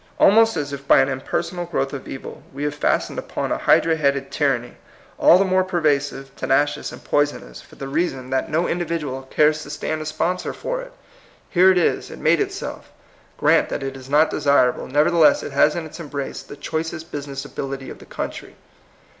'' Almost as if by an impersonal growth of evil, we have fastened upon us a hydra headed tyranny, all the more pervasive, tenacious, and poisonous for the reason that 158 THE COMING PEOPLE. no individual cares to stand as sponsor for it. Here it is; it made itself. Grant that it is not desirable, nevertheless it has in its embi*ace the choicest business ability of the country.